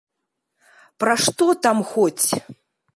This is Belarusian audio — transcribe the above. Пра што там хоць?